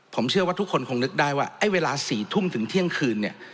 ผมเชื่อว่าทุกคนคงนึกได้ว่าไอ้เวลา๔ทุ่มถึงเที่ยงคืนเนี่ย